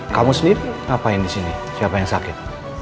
kamu sendiri ngapain disini siapa yang sakit